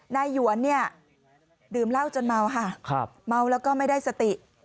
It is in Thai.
หยวนเนี่ยดื่มเหล้าจนเมาค่ะเมาแล้วก็ไม่ได้สติ